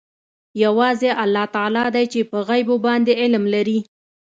یوازې الله تعلی دی چې په غیبو باندې علم لري.